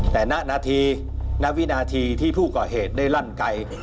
แต่หน้านาทีหน้าวินาทีที่ผู้ก่อเหตุได้รั่นไกล